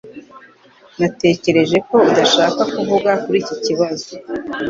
Natekereje ko udashaka kuvuga kuri iki kibazo